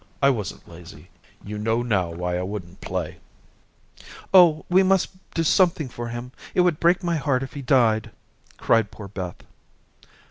I wasn't lazy. You know now why I wouldn't play." "Oh, we must do something for him. It would break my heart if he died," cried poor Beth.